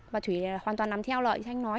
và thủy là hoàn toàn nằm theo lợi